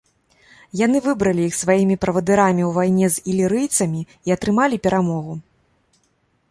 Яны выбралі іх сваімі правадырамі ў вайне з ілірыйцамі і атрымалі перамогу.